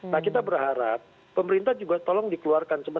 nah kita berharap pemerintah juga tolong dikeluarkan